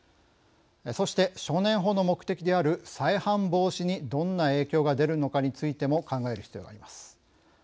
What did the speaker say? そして少年法の目的である再犯防止にどんな影響が出るのかについても考える必要があります。